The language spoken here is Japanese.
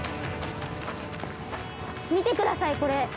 見てくださいこれ！